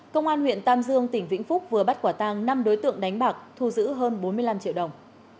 công an huyện tam dương tỉnh vĩnh phúc vừa bắt quả tăng năm đối tượng đánh bạc thu giữ hơn bốn mươi năm triệu đồng